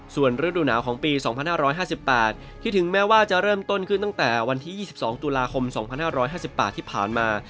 ส่วนฤดูหนาวของปี๒๕๕๘ที่ถึงแม้ว่าจะเริ่มต้นขึ้นตั้งแต่วันที่๒๒ตุลาคม๒๕๕๘ที่ผ่านมา